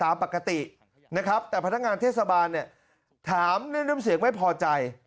ตามปกตินะครับแต่พนักงานเทศบาลเนี่ยถามด้วยน้ำเสียงไม่พอใจ